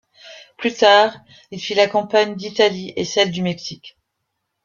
Plus tard, il fit la campagne d'Italie et celle du Mexique.